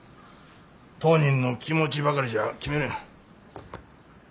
当人の気持ちばかりじゃ決めれん。